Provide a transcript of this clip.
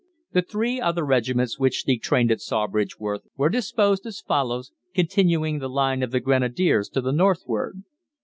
The three other regiments which detrained at Sawbridgeworth were disposed as follows, continuing the line of the Grenadiers to the northward.